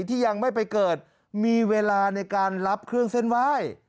ที่ยังไม่ไปเกิดมีเวลาในการรับเครื่องเส้นไหว้